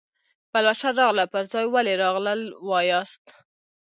پلوشه راغله پر ځای ولې راغلل وایاست.